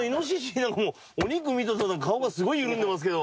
猪のお肉見た途端顔がすごい緩んでますけど。